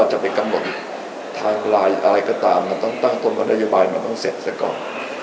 จะไปกำหนดทางไลน์อะไรก็ตามมันต้องตั้งต้นว่านโยบายมันต้องเสร็จซะก่อน